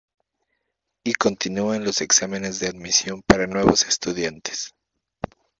Y continúan los exámenes de admisión para nuevos estudiantes.